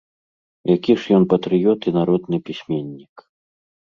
Які ж ён патрыёт і народны пісьменнік.